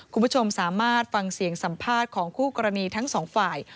คุณผู้ชมสามารถฟังเสียงสัมภาษณ์ของคู่กรณีทั้งสองฝ่าย